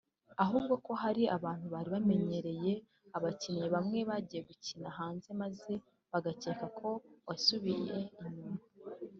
ahubwo ko hari abantu bari bamenyereye abakinnyi bamwe bagiye gukina hanze maze bagakeka ko wasubiye inyuma